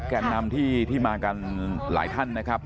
แก่นนำที่มากันหลายท่านนะครับ